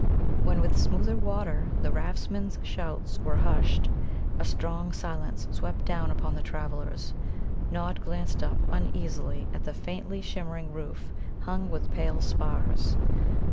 When with smoother water the raftsmen's shouts were hushed, a strange silence swept down upon the travellers. Nod glanced up uneasily at the faintly shimmering roof hung with pale spars.